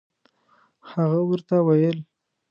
هغه ورته ویل.